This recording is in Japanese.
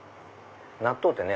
納豆ってね